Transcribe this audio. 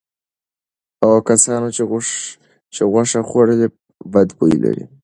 هغو کسانو چې غوښه خوړلې بد بوی لري.